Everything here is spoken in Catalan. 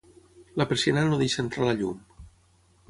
La persiana no deixa entrar la llum